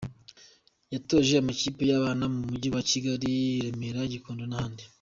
Yatoje amakipe y’abana mu Mujyi wa Kigali i Remera, Gikondo n’ahandi.